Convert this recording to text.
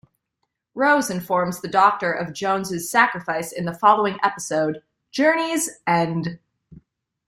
Rose informs the Doctor of Jones' sacrifice in the following episode, "Journey's End".